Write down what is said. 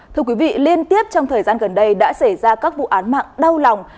thưa quý vị liên tiếp trong thời gian gần đây đã xảy ra các vụ án mạng đau lòng